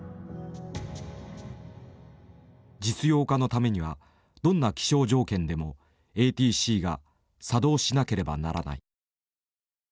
実用化のためにはどんな気象条件でもＡＴＣが作動しなければならない。